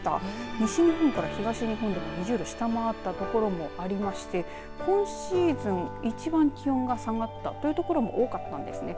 西日本から東日本では２０度下回ったところもありまして今シーズン一番気温が下がったところも多かったんですね。